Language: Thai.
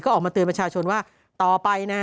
ก็ออกมาเตือนประชาชนว่าต่อไปนะฮะ